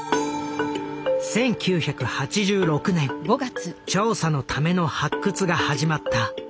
１９８６年調査のための発掘が始まった。